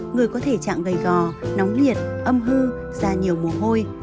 người có thể chạm gây gò nóng liệt âm hư ra nhiều mồ hôi